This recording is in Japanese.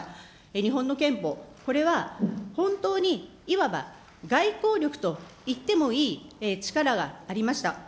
日本の憲法、これは本当に、いわば外交力といってもいい力がありました。